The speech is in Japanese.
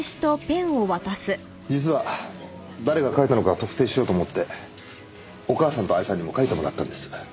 実は誰が書いたのか特定しようと思ってお母さんと愛さんにも書いてもらったんです。